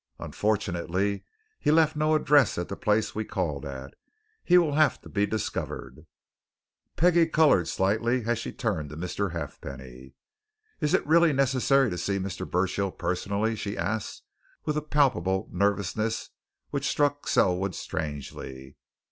Unfortunately, he left no address at the place we called at. He will have to be discovered." Peggie coloured slightly as she turned to Mr. Halfpenny. "Is it really necessary to see Mr. Burchill personally?" she asked with a palpable nervousness which struck Selwood strangely.